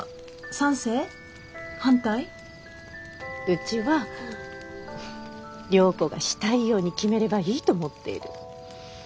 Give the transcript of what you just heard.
うちは良子がしたいように決めればいいと思っている。